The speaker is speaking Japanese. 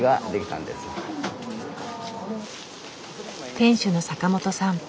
店主の坂元さん。